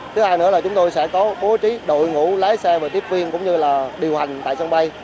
thứ hai nữa là chúng tôi sẽ có bố trí đội ngũ lái xe và tiếp viên cũng như là điều hành tại sân bay